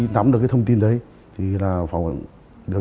nắm cái thông tin này đi là bảo của điều